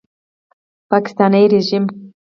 پاکستاني ریژیم